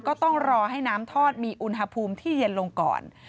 ก็ต้องรอให้น้ำทอดมีอุณหภูมิที่เย็นลงก่อน